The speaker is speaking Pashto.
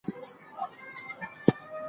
سوله رامنځته کيږي.